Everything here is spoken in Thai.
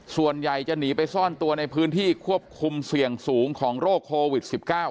ส่วนใหญ่จะหนีไปซ่อนตัวในพื้นที่ควบคุมเสี่ยงสูงของโรคโควิด๑๙